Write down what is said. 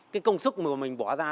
cái công sức mà mình bỏ ra